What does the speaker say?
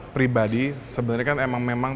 pribadi sebenarnya kan emang memang